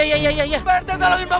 pak bangun pak